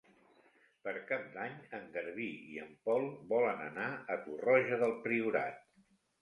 Per Cap d'Any en Garbí i en Pol volen anar a Torroja del Priorat.